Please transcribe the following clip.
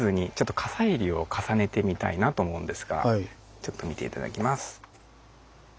ちょっと見て頂きます。